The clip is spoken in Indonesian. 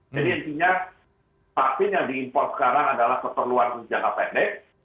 jadi intinya vaksin yang diimpor sekarang adalah keperluan penjaga pendek